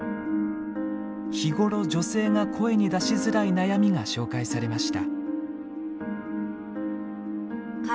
日頃女性が声に出しづらい悩みが紹介されました。